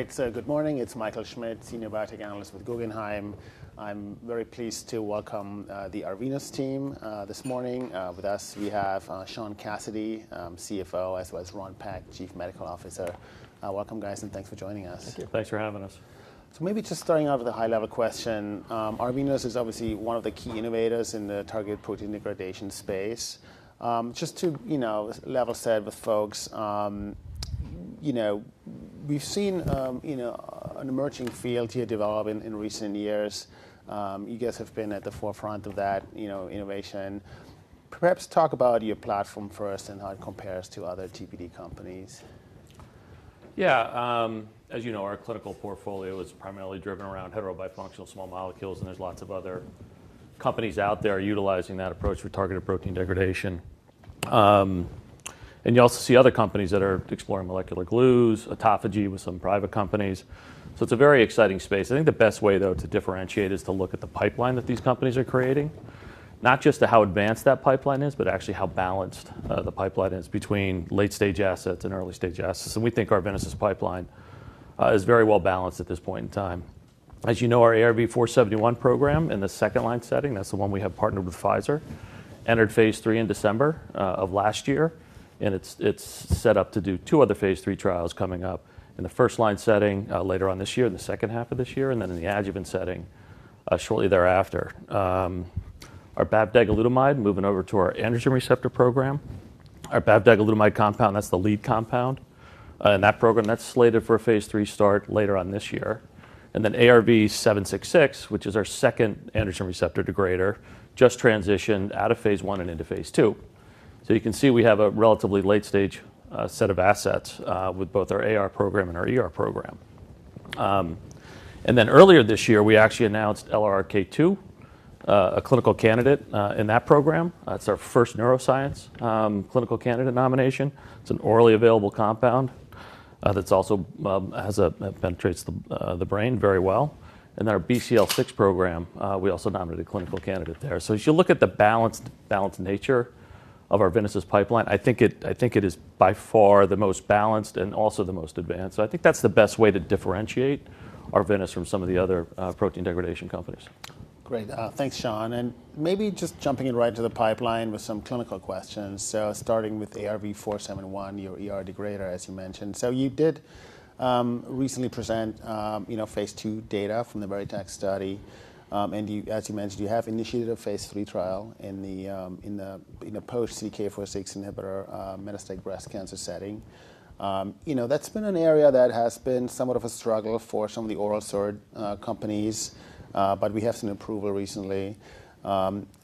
It's good morning. It's Michael Schmidt, Senior Biotech Analyst with Guggenheim. I'm very pleased to welcome the Arvinas team this morning. With us, we have Sean Cassidy, CFO, as well as Ron Peck, Chief Medical Officer. Welcome, guys, and thanks for joining us. Thank you. Thanks for having us. Maybe just starting off with a high-level question, Arvinas is obviously one of the key innovators in the target protein degradation space. Just to, you know, level set with folks, you know, we've seen, you know, an emerging field here develop in recent years. You guys have been at the forefront of that, you know, innovation. Perhaps talk about your platform first and how it compares to other TPD companies. As you know, our clinical portfolio is primarily driven around heterobifunctional small molecules, and there's lots of other companies out there utilizing that approach for targeted protein degradation. You also see other companies that are exploring molecular glues, autophagy with some private companies. It's a very exciting space. I think the best way, though, to differentiate is to look at the pipeline that these companies are creating, not just to how advanced that pipeline is, but actually how balanced the pipeline is between late-stage assets and early-stage assets. We think Arvinas' pipeline is very well-balanced at this point in time. As you know, our ARV-471 program in the second-line setting, that's the one we have partnered with Pfizer, entered Phase III in December of last year, and it's set up to do two other Phase III trials coming up in the first-line setting later on this year, in the second half of this year, and then in the adjuvant setting shortly thereafter. Our bavdegalutamide, moving over to our androgen receptor program, our bavdegalutamide compound, that's the lead compound in that program, that's slated for a Phase III start later on this year. ARV-766, which is our second androgen receptor degrader, just transitioned out of Phase I and into Phase II. You can see we have a relatively late-stage set of assets with both our AR program and our ER program. Then earlier this year, we actually announced LRRK2 a clinical candidate in that program. That's our first neuroscience clinical candidate nomination. It's an orally available compound that's also penetrates the brain very well. Our BCL-6 program, we also nominated a clinical candidate there. As you look at the balanced nature of Arvinas' pipeline, I think it is by far the most balanced and also the most advanced. I think that's the best way to differentiate Arvinas from some of the other protein degradation companies. Great. Thanks, Sean. Maybe just jumping in right into the pipeline with some clinical questions. Starting with ARV-471, your ER degrader, as you mentioned. You did recently present, you know, phase II data from the VERITAC study, and as you mentioned, you have initiated a phase III trial in the post-CDK4/6 inhibitor metastatic breast cancer setting. You know, that's been an area that has been somewhat of a struggle for some of the oral SERD companies, but we have seen approval recently.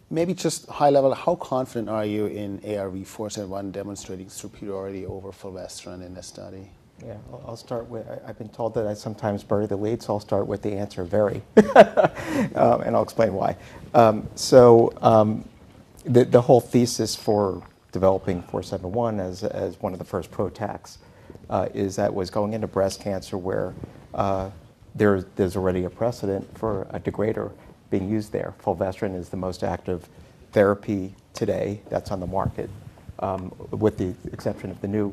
Maybe just high level, how confident are you in ARV-471 demonstrating superiority over fulvestrant in this study? I'll start with I've been told that I sometimes bury the lead, so I'll start with the answer, very. I'll explain why. The whole thesis for developing 471 as one of the first PROTACs, is that was going into breast cancer where there's already a precedent for a degrader being used there. fulvestrant is the most active therapy today that's on the market, with the exception of the new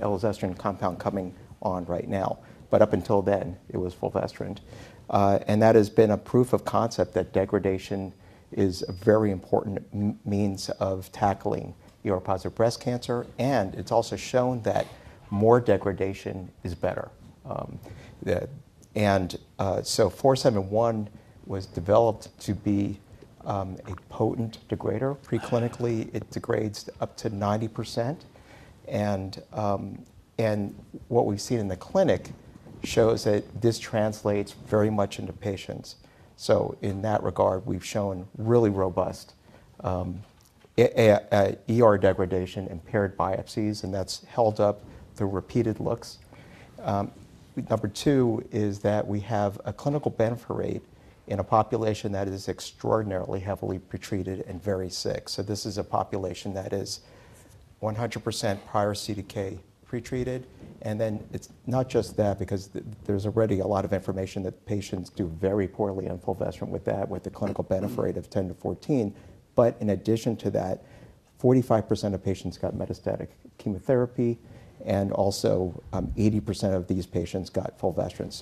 elacestrant compound coming on right now. Up until then, it was fulvestrant. That has been a proof of concept that degradation is a very important means of tackling ER-positive breast cancer, and it's also shown that more degradation is better, and 471 was developed to be a potent degrader. Pre-clinically, it degrades up to 90%, what we see in the clinic shows that this translates very much into patients. In that regard, we've shown really robust ER degradation in paired biopsies, and that's held up through repeated looks. Number two is that we have a clinical benefit rate in a population that is extraordinarily heavily pretreated and very sick. This is a population that is 100% prior CDK pretreated, it's not just that because there's already a lot of information that patients do very poorly on fulvestrant with that, with a clinical benefit rate of 10-14%. In addition to that, 45% of patients got metastatic chemotherapy, 80% of these patients got fulvestrant.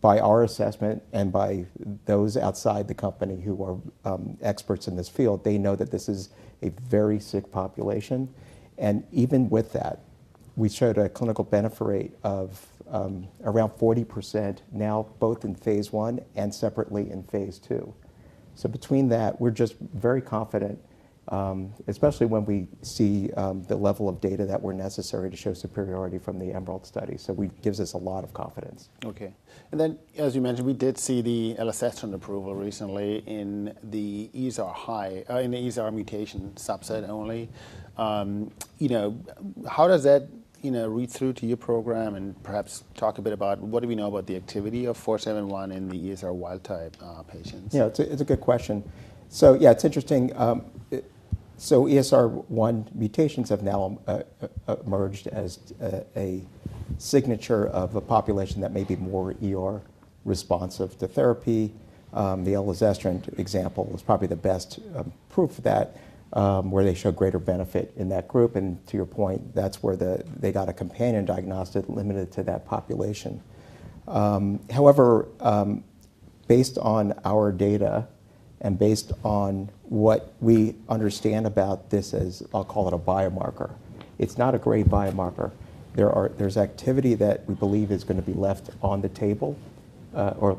By our assessment and by those outside the company who are experts in this field, they know that this is a very sick population. Even with that, we showed a clinical benefit rate of around 40% now both in phase I and separately in phase II. Between that, we're just very confident, especially when we see the level of data that were necessary to show superiority from the EMERALD study. gives us a lot of confidence. Okay. As you mentioned, we did see the elacestrant approval recently in the ESR-high, in the ESR mutation subset only. You know, how does that, you know, read through to your program? Perhaps talk a bit about what do we know about the activity of 471 in the ESR wild-type patients? It's a good question. It's interesting. ESR1 mutations have now emerged as a signature of a population that may be more ER responsive to therapy. The elacestrant example is probably the best proof that where they show greater benefit in that group. To your point, that's where they got a companion diagnostic limited to that population. However, based on our data and based on what we understand about this as I'll call it a biomarker. It's not a great biomarker. There's activity that we believe is gonna be left on the table, or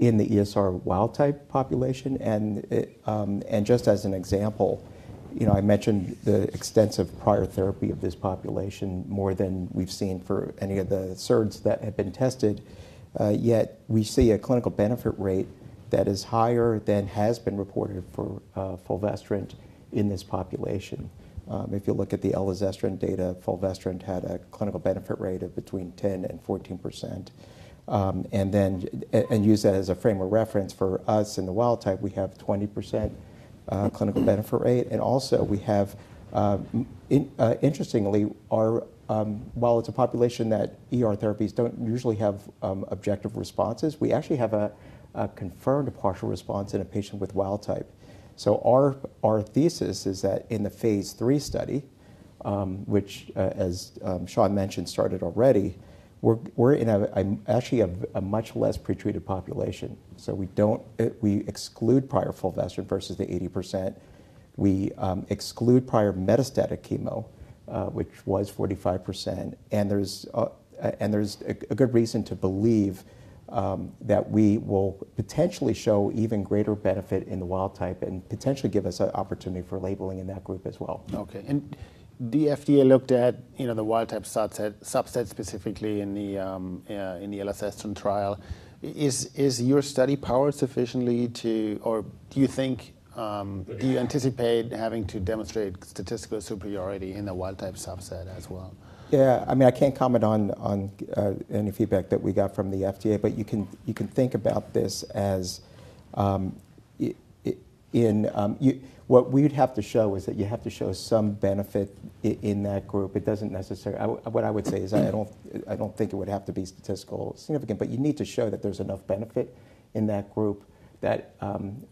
in the ESR wild-type population. Just as an example, you know, I mentioned the extensive prior therapy of this population more than we've seen for any of the SERDs that have been tested. Yet we see a clinical benefit rate that is higher than has been reported for fulvestrant in this population. If you look at the elacestrant data, fulvestrant had a clinical benefit rate of between 10% and 14%. Use that as a frame of reference for us in the wild type, we have 20% clinical benefit rate. We have, interestingly, our, while it's a population that ER therapies don't usually have objective responses, we actually have a confirmed partial response in a patient with wild type. Our thesis is that in the phase III study, which, as Sean mentioned started already, we're in a actually a much less pretreated population. We exclude prior fulvestrant versus the 80%. We exclude prior metastatic chemo, which was 45%. There's a good reason to believe that we will potentially show even greater benefit in the wild type and potentially give us an opportunity for labeling in that group as well. Okay. The FDA looked at, you know, the wild type subset specifically in the elacestrant trial. Is your study powered sufficiently or do you think, do you anticipate having to demonstrate statistical superiority in the wild type subset as well? I mean, I can't comment on any feedback that we got from the FDA, but you can think about this as in what we'd have to show is that you have to show some benefit in that group. It doesn't necessarily. What I would say is I don't think it would have to be statistical significant, but you need to show that there's enough benefit in that group that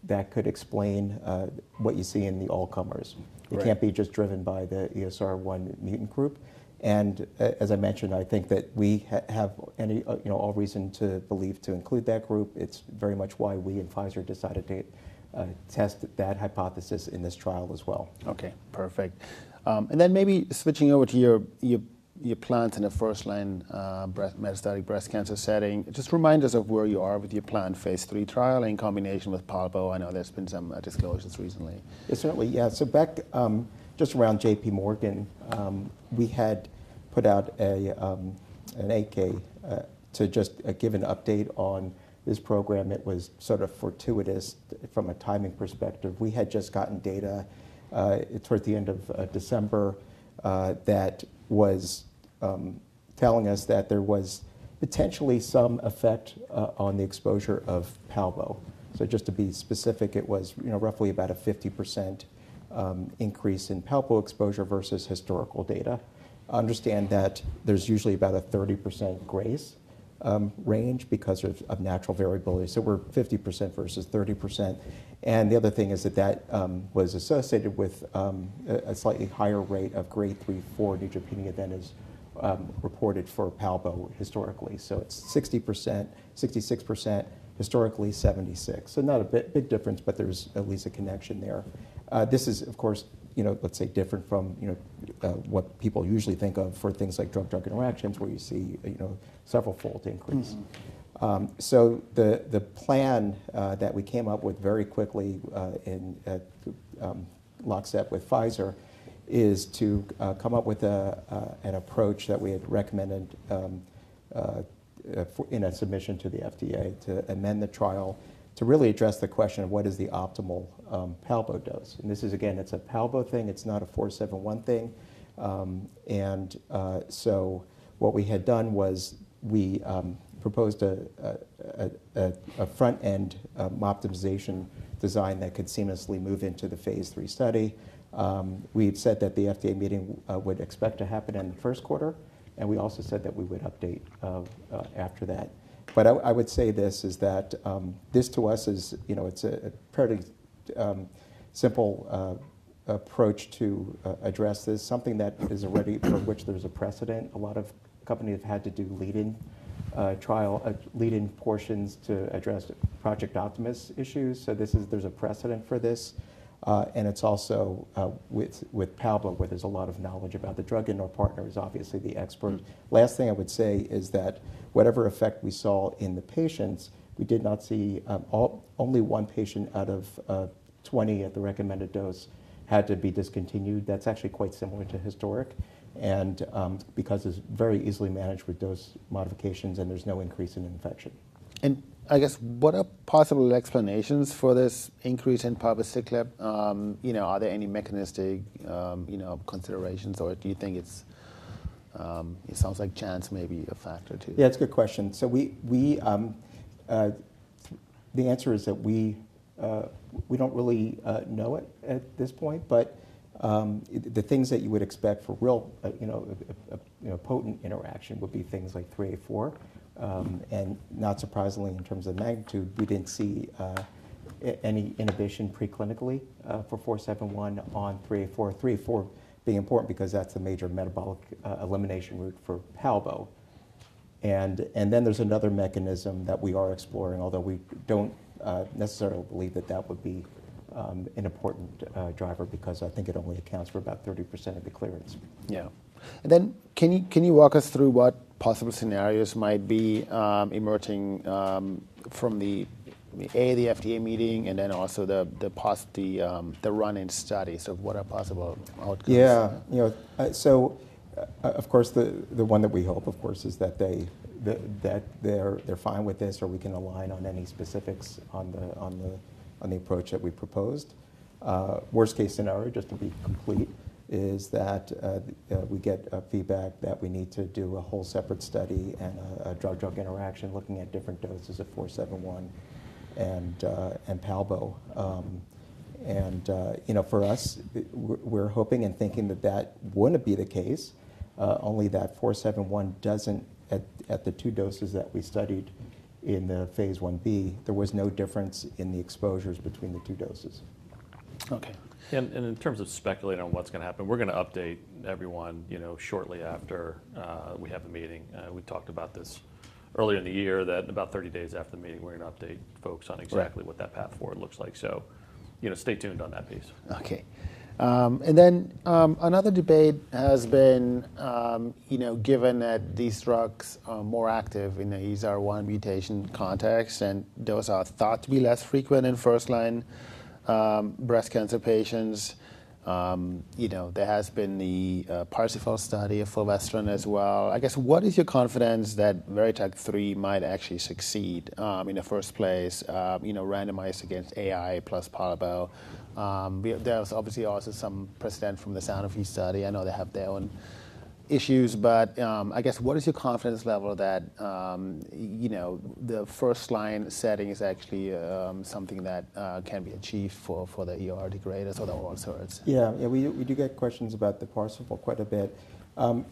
that could explain what you see in the all comers. Right. It can't be just driven by the ESR1 mutant group. As I mentioned, I think that we have any, you know, all reason to believe to include that group. It's very much why we and Pfizer decided to test that hypothesis in this trial as well. Okay. Perfect. Maybe switching over to your plans in the first-line metastatic breast cancer setting, just remind us of where you are with your planned phase III trial in combination with palbo. I know there's been some disclosures recently. Yes, certainly. Yeah. Back, just around JP Morgan, we had put out an 8-K to just give an update on this program. It was sort of fortuitous from a timing perspective. We had just gotten data toward the end of December that was telling us that there was potentially some effect on the exposure of palbo. Just to be specific, it was, you know, roughly about a 50% increase in palbo exposure versus historical data. Understand that there's usually about a 30% grace range because of natural variability. We're 50% versus 30%. The other thing is that that was associated with a slightly higher rate of grade three, four neutropenia than is reported for palbo historically. It's 60%, 66%, historically 76%. Not a big difference, but there's at least a connection there. This is of course, you know, let's say different from, you know, what people usually think of for things like drug-drug interactions where you see, you know, several fold increase. Mm-hmm. The plan that we came up with very quickly in lockstep with Pfizer is to come up with an approach that we had recommended in a submission to the FDA to amend the trial to really address the question of what is the optimal palbo dose. This is again, it's a palbo thing, it's not a 471 thing. What we had done was we proposed a front-end optimization design that could seamlessly move into the phase III study. We had said that the FDA meeting would expect to happen in the first quarter, we also said that we would update after that. I would say this, is that, this to us is, you know, it's a pretty, simple, approach to address this. Something that is already for which there's a precedent. A lot of company have had to do lead-in, trial, lead-in portions to address Project Optimus issues. There's a precedent for this. It's also, with palbo, where there's a lot of knowledge about the drug and our partner is obviously the expert. Last thing I would say is that whatever effect we saw in the patients, we did not see, only one patient out of 20 at the recommended dose had to be discontinued. That's actually quite similar to historic and, because it's very easily managed with dose modifications, and there's no increase in infection. I guess what are possible explanations for this increase in palbociclib? you know, are there any mechanistic, you know, considerations or do you think it's, it sounds like chance may be a factor too? It's a good question. The answer is that we don't really know it at this point. The things that you would expect for real potent interaction would be things like 3, 4. Not surprisingly, in terms of magnitude, we didn't see any inhibition preclinically for 471 on three, four. Three, four being important because that's the major metabolic elimination route for palbo. There's another mechanism that we are exploring, although we don't necessarily believe that that would be an important driver because I think it only accounts for about 30% of the clearance. Yeah. Can you walk us through what possible scenarios might be emerging from the FDA meeting and then also the run-in study? What are possible outcomes? You know, of course, the one that we hope, of course, is that they're fine with this or we can align on any specifics on the approach that we proposed. Worst case scenario, just to be complete, is that we get a feedback that we need to do a whole separate study and a drug-drug interaction looking at different doses of ARV-471 and palbo. You know, for us, we're hoping and thinking that that wouldn't be the case, only that ARV-471 doesn't at the two doses that we studied in the Phase 1b, there was no difference in the exposures between the two doses. Okay. In terms of speculating on what's gonna happen, we're gonna update everyone, you know, shortly after we have the meeting. We talked about this earlier in the year that about 30 days after the meeting, we're gonna update folks. Right exactly what that path forward looks like. you know, stay tuned on that piece. Okay. Another debate has been, given that these drugs are more active in the ESR1 mutation context, and those are thought to be less frequent in first-line breast cancer patients. There has been the PARSIFAL study of fulvestrant as well. I guess, what is your confidence that VERITAC-3 might actually succeed in the first place, randomized against AI plus palbo? There's obviously also some precedent from the Sanofi study. I know they have their own issues. I guess, what is your confidence level that the first-line setting is actually something that can be achieved for the ER degraders or the ERs? Yeah. We do get questions about the PARSIFAL quite a bit.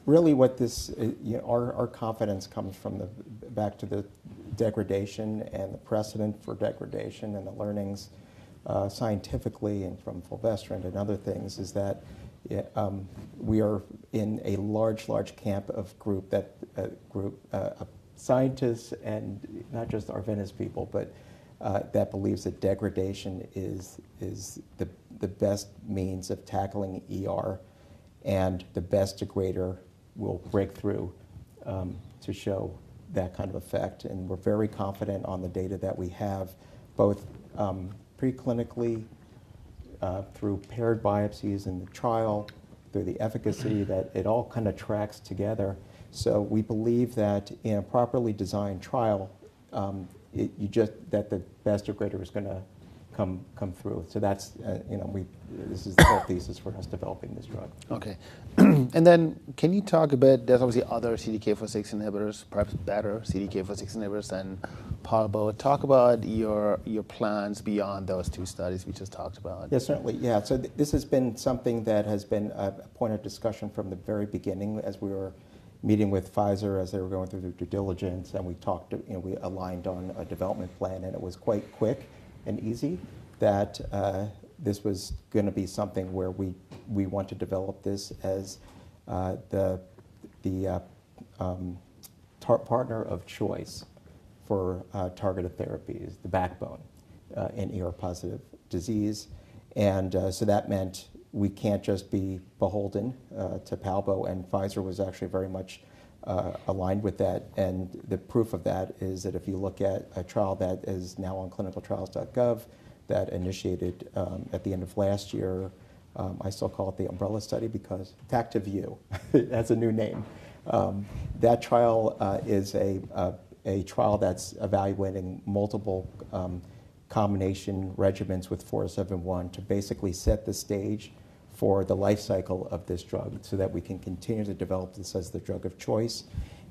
Really what this, you know, our confidence comes from the back to the degradation and the precedent for degradation and the learnings scientifically and from fulvestrant and other things is that we are in a large camp of group that group of scientists and not just Arvinas people, but that believes that degradation is the best means of tackling ER and the best degrader will break through to show that kind of effect. We're very confident on the data that we have, both preclinically, through paired biopsies in the trial, through the efficacy that it all kinda tracks together. We believe that in a properly designed trial, it, you just that the best degrader is gonna come through. That's, you know, This is the whole thesis for us developing this drug. Okay. Then can you talk about, there's obviously other CDK4/6 inhibitors, perhaps better CDK4/6 inhibitors than palbociclib. Talk about your plans beyond those two studies we just talked about. Yeah, certainly. Yeah. This has been something that has been a point of discussion from the very beginning as we were meeting with Pfizer, as they were going through due diligence, and we talked, you know, we aligned on a development plan, and it was quite quick and easy that, this was gonna be something where we want to develop this as the, part-partner of choice for targeted therapies, the backbone, in ER-positive disease. That meant we can't just be beholden, to palbo, and Pfizer was actually very much, aligned with that. The proof of that is that if you look at a trial that is now on ClinicalTrials.gov that initiated, at the end of last year, I still call it the umbrella study because... TACTIVE-U, that's a new name. That trial is a trial that's evaluating multiple combination regimens with 471 to basically set the stage for the life cycle of this drug so that we can continue to develop this as the drug of choice.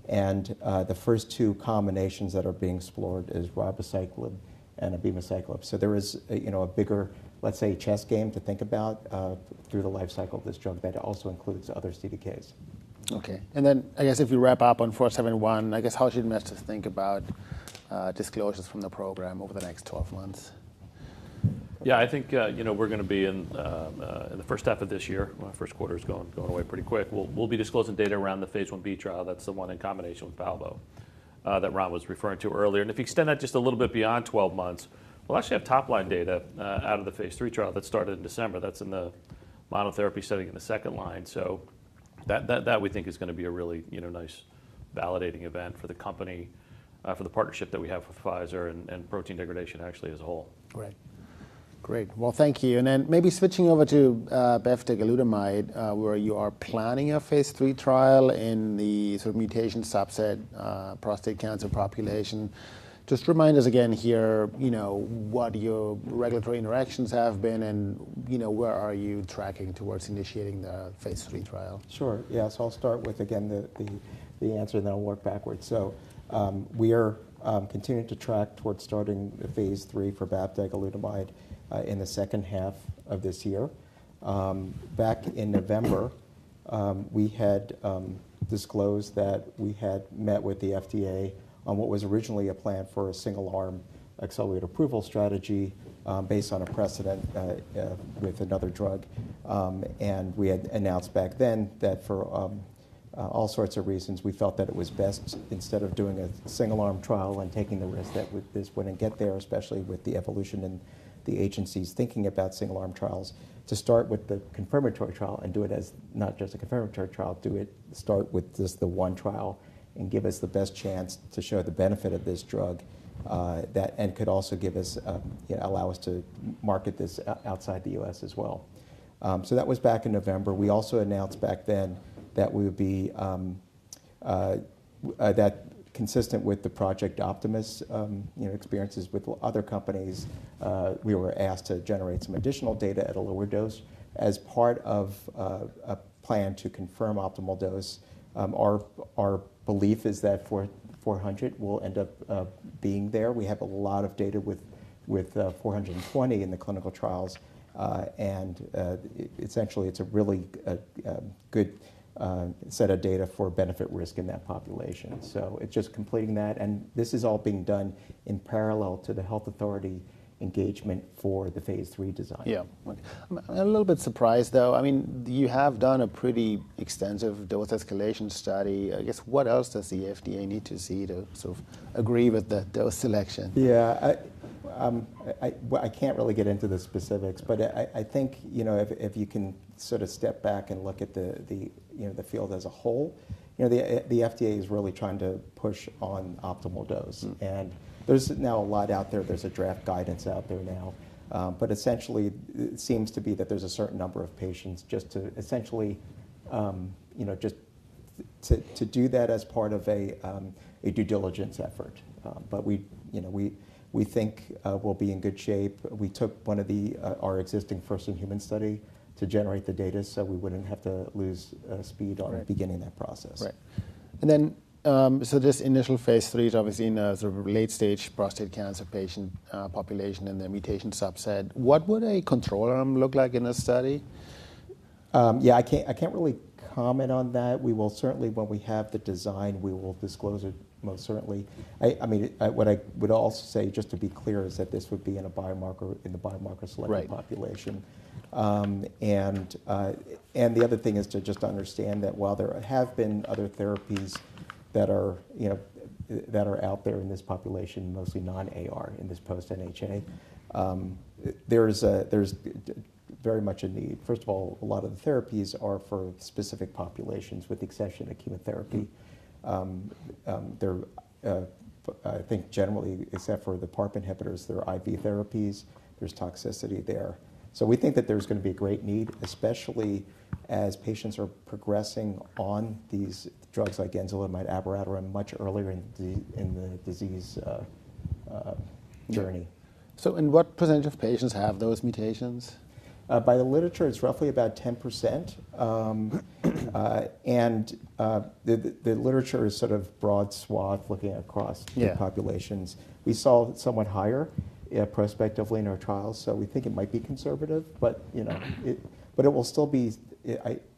The first two combinations that are being explored is ribociclib and abemaciclib. There is, you know, a bigger, let's say, chess game to think about through the life cycle of this drug that also includes other CDKs. Okay. Then I guess if you wrap up on ARV-471, I guess how should investors think about disclosures from the program over the next 12 months? Yeah. I think, you know, we're gonna be in the first half of this year. Well, first quarter's going away pretty quick. We'll be disclosing data around the Phase 1b trial. That's the one in combination with palbo, that Ron was referring to earlier. If you extend that just a little bit beyond 12 months, we'll actually have top-line data out of the Phase III trial that started in December. That's in the monotherapy setting in the second line. That we think is gonna be a really, you know, nice validating event for the company, for the partnership that we have with Pfizer and protein degradation actually as a whole. Great. Well, thank you. Maybe switching over to bavdegalutamide, where you are planning a Phase III trial in the sort of mutation subset, prostate cancer population. Just remind us again here, you know, what your regulatory interactions have been and, you know, where are you tracking towards initiating the Phase III trial? Sure. Yeah. I'll start with, again, the answer then I'll work backwards. We are continuing to track towards starting the phase III for bavdegalutamide in the second half of this year. Back in November, we had disclosed that we had met with the FDA on what was originally a plan for a single-arm accelerated approval strategy based on a precedent with another drug. We had announced back then that for all sorts of reasons, we felt that it was best instead of doing a single-arm trial and taking the risk that this wouldn't get there, especially with the evolution and the agencies thinking about single-arm trials, to start with the confirmatory trial and do it as not just a confirmatory trial, start with just the one trial and give us the best chance to show the benefit of this drug, and could also give us, yeah, allow us to market this outside the U.S. as well. that was back in November. We also announced back then that we would be that consistent with the Project Optimus, you know, experiences with other companies, we were asked to generate some additional data at a lower dose as part of a plan to confirm optimal dose. Our belief is that for 400 we'll end up being there. We have a lot of data with 420 in the clinical trials, and essentially it's a really good set of data for benefit risk in that population. It's just completing that, and this is all being done in parallel to the health authority engagement for the phase III design. Yeah. Okay. I'm a little bit surprised though. I mean, you have done a pretty extensive dose escalation study. I guess, what else does the FDA need to see to sort of agree with the dose selection? Yeah. I, well, I can't really get into the specifics, but I think, you know, if you can sort of step back and look at the, you know, the field as a whole, you know, the FDA is really trying to push on optimal dose. Mm. There's now a lot out there. There's a draft guidance out there now. Essentially it seems to be that there's a certain number of patients just to essentially, you know, just to do that as part of a due diligence effort. We, you know, we think, we'll be in good shape. We took 1 of the, our existing first in human study to generate the data, so we wouldn't have to lose speed. Right. on beginning that process. Right. This initial phase 3 is obviously in a sort of late stage prostate cancer patient population in the mutation subset. What would a control arm look like in a study? Yeah, I can't, I can't really comment on that. We will certainly, when we have the design, we will disclose it most certainly. I mean, what I would also say, just to be clear, is that this would be in a biomarker, in the biomarker selected population. Right. The other thing is to just understand that while there have been other therapies that are, you know, that are out there in this population, mostly non-AR in this post NHA, there's a very much a need. First of all, a lot of the therapies are for specific populations with exception to chemotherapy. They're, I think generally, except for the PARP inhibitors, they're IV therapies. There's toxicity there. We think that there's gonna be a great need, especially as patients are progressing on these drugs like enzalutamide, abiraterone much earlier in the disease journey. And what percentage of patients have those mutations? By the literature, it's roughly about 10%. The literature is sort of broad swath. Yeah. the populations. We saw somewhat higher, prospectively in our trials. We think it might be conservative, but, you know, it will still be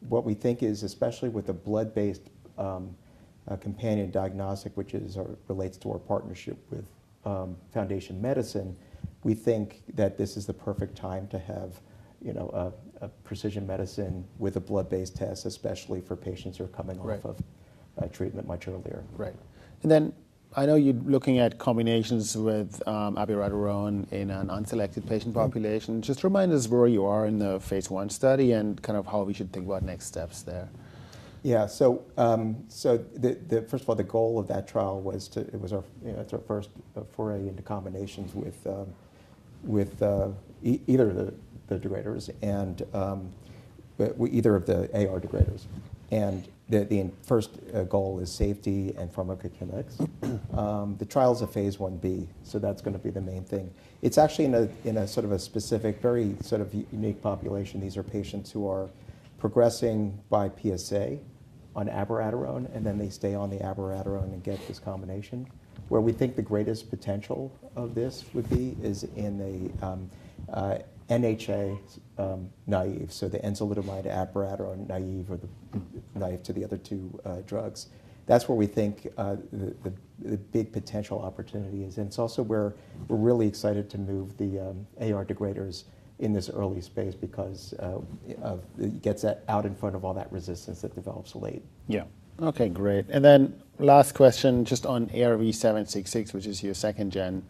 what we think is especially with the blood-based companion diagnostic, which relates to our partnership with Foundation Medicine, we think that this is the perfect time to have, you know, a precision medicine with a blood-based test, especially for patients who are coming off of- Right. treatment much earlier. Right. I know you're looking at combinations with abiraterone in an unselected patient population. Mm-hmm. Just remind us where you are in the phase I study and kind of how we should think about next steps there? Yeah. First of all, the goal of that trial was to. It was our, it's our first foray into combinations with either the degraders and either of the AR degraders. The first goal is safety and pharmacokinetics. The trial's a Phase 1B, so that's gonna be the main thing. It's actually in a sort of a specific, very sort of unique population. These are patients who are progressing by PSA on abiraterone, and then they stay on the abiraterone and get this combination. Where we think the greatest potential of this would be is in a NHA naive, so the enzalutamide, abiraterone naive or the naive to the other two drugs. That's where we think the big potential opportunity is. It's also where we're really excited to move the AR degraders in this early space because it gets that out in front of all that resistance that develops late. Yeah. Okay, great. Last question, just on ARV-766, which is your second-gen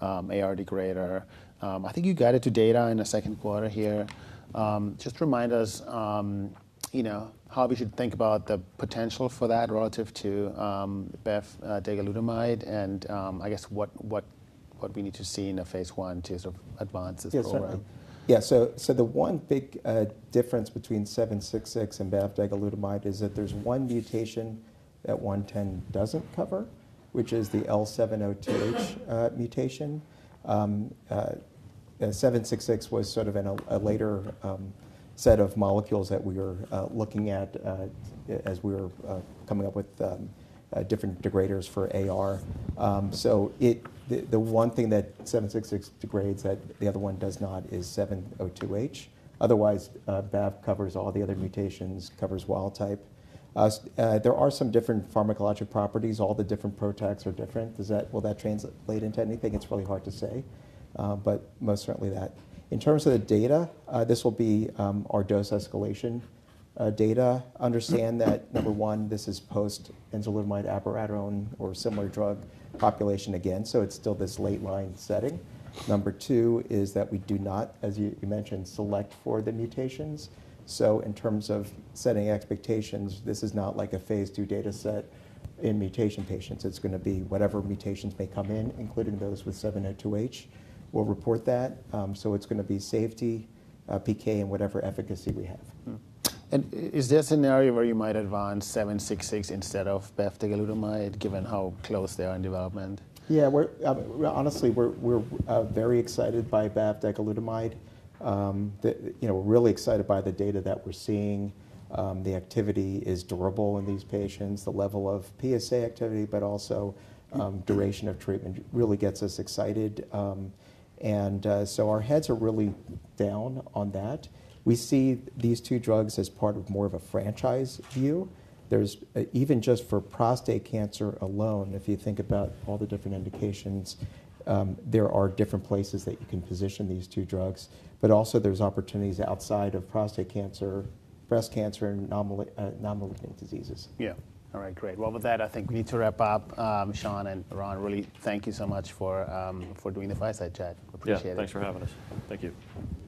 AR degrader. I think you guided to data in the second quarter here. Just remind us, you know, how we should think about the potential for that relative to bavdegalutamide, I guess what we need to see in a Phase I to sort of advance this program. Yeah, certainly. Yeah. The one big difference between ARV-766 and bavdegalutamide is that there's one mutation that ARV-110 doesn't cover, which is the L702H mutation. ARV-766 was sort of in a later set of molecules that we were looking at as we were coming up with different degraders for AR. The one thing that ARV-766 degrades that the other one does not is 702H. Otherwise, Bav covers all the other mutations, covers wild type. There are some different pharmacologic properties. All the different PROTACs are different. Will that translate into anything? It's really hard to say. Most certainly that. In terms of the data, this will be our dose escalation data. Understand that, number one, this is post enzalutamide abiraterone or similar drug population again, so it's still this late line setting. Number two is that we do not, as you mentioned, select for the mutations. In terms of setting expectations, this is not like a phase II data set in mutation patients. It's gonna be whatever mutations may come in, including those with 702H. We'll report that. It's gonna be safety, PK and whatever efficacy we have. Mm-hmm. Is there a scenario where you might advance 766 instead of bavdegalutamide given how close they are in development? We're honestly very excited by bavdegalutamide. You know, we're really excited by the data that we're seeing. The activity is durable in these patients. The level of PSA activity, but also duration of treatment really gets us excited. Our heads are really down on that. We see these two drugs as part of more of a franchise view. Even just for prostate cancer alone, if you think about all the different indications, there are different places that you can position these two drugs. There's opportunities outside of prostate cancer, breast cancer, and non-malignant diseases. All right, great. With that, I think we need to wrap up. Sean and Ron, really thank you so much for doing the Fireside Chat. Appreciate it. Yeah. Thanks for having us. Thank you.